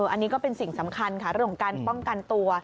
อันนี้ก็เป็นสิ่งสำคัญค่ะเรื่องของการป้องกันตัว